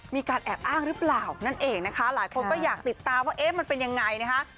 มีการแอบอ้างหรือเปล่านั่นเองนะคะหลายคนก็อยากติดตามว่าเอ๊ะมันเป็นยังไงนะคะ